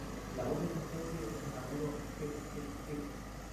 La voz de esta especie es un agudo"kek-kek-kek".